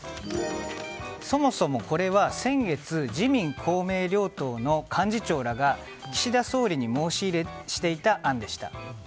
そもそもこれは先月自民・公明両党の幹事長らが岸田総理に申し入れしていた案でした。